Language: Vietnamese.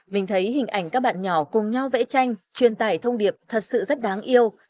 mình thấy hình ảnh các bạn nhỏ cùng nhau vẽ tranh truyền tải thông điệp thật sự rất đáng yêu